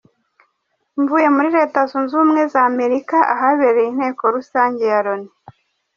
Mvuye muri Leta Zunze Ubumwe za Amerika ahabereye Inteko Rusange ya Loni.